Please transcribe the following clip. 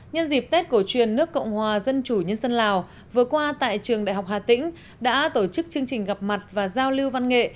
nhân dịp tết cổ truyền nước cộng hòa dân chủ nhân dân lào vừa qua tại trường đại học hà tĩnh đã tổ chức chương trình gặp mặt và giao lưu văn nghệ